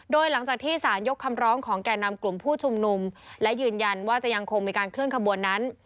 โดยหลังจากที่สารยกคำร้องของแก่นำกลุ่มผู้ชุมนุมและยืนยันว่าจะยังคงมีการเคลื่อนขบวนนั้น